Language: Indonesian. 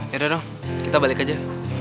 yaudah dong kita balik aja